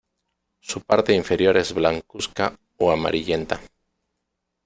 Su parte inferior es blancuzca o amarillenta.